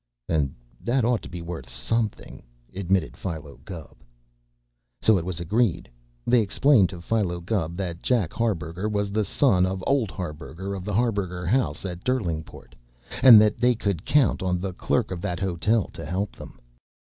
"And that ought to be worth something," admitted Philo Gubb. So it was agreed. They explained to Philo Gubb that Jack Harburger was the son of old Harburger of the Harburger House at Derlingport, and that they could count on the clerk of that hotel to help them.